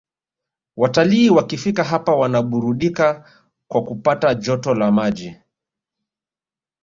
Watalii wakifika hapa wanaburudika kwa kupata joto la maji